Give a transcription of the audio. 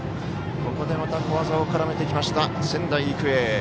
ここで小技を絡めてきた仙台育英。